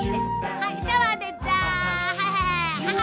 はいシャワーでザ。